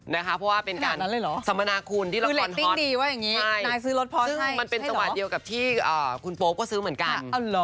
นะคะเพราะว่าเป็นการสมนาคุณที่ละครฮอตใช่มันเป็นสวัสดีกับที่คุณโป๊ปก็ซื้อเหมือนกัน